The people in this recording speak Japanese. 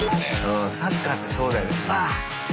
うんサッカーってそうだよね。